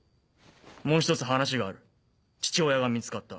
もうひとつ話がある父親が見つかった。